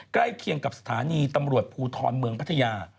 ใกล้เคียงกับสถานีตำรวจภูทรเมืองพัทยา